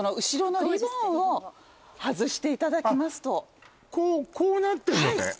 後ろのリボンを外していただきますとこうなってんのね